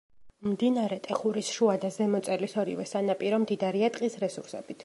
მდინარე ტეხურის შუა და ზემო წელის ორივე სანაპირო მდიდარია ტყის რესურსებით.